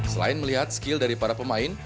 selain melihat skill dari para pemain